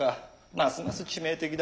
ますます致命的だ。